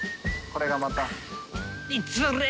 これがまた。